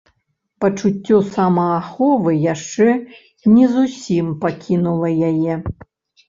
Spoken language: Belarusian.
Пачуццё самааховы яшчэ не зусім пакінула яе.